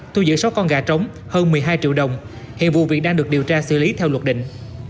thu giữ sáu con gà trống hơn một mươi hai triệu đồng hiện vụ việc đang được điều tra xử lý theo luật định